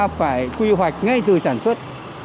chúng ta phải quy hoạch ngay từ sản xuất